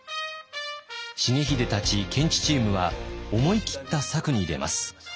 重秀たち検地チームは思い切った策に出ます。